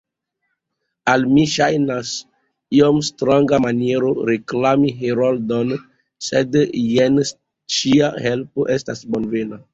Al mi ŝajnas iom stranga maniero reklami Heroldon, sed jen ĉia helpo estas bonvena.